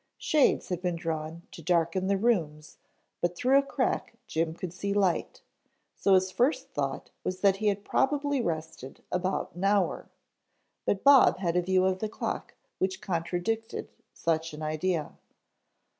Shades had been drawn to darken the rooms but through a crack Jim could see light, so his first thought was that he had probably rested about an hour, but Bob had a view of the clock which contradicted such an idea.